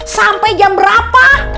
sampai jam berapa